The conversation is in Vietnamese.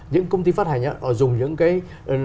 những công ty phát hành dùng những cái